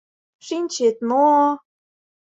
Шинчет мо...